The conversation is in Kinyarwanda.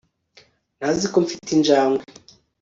Ntazi ko mfite injangwe